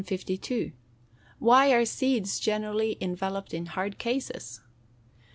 _Why are seeds generally enveloped in hard cases?